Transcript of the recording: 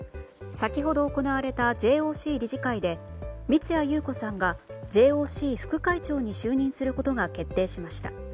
先ほど行われたＪＯＣ理事会で三屋裕子さんがＪＯＣ副会長に就任することが決定しました。